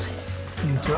こんにちは。